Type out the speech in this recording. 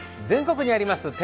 全国にあります